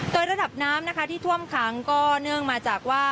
โดยระดับน้ำนะคะที่ท่วมขังก็เนื่องมาจากว่า